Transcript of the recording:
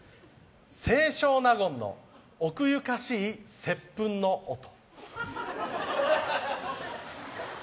清少納言の奥ゆかしいせっぷんの音。